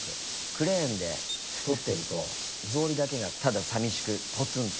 クレーンで撮ってると草履だけがただ寂しくポツンと。